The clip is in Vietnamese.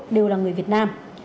đều là người việt nam